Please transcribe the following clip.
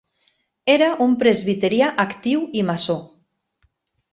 Era un presbiterià actiu i Masó.